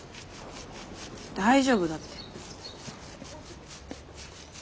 大丈夫だって。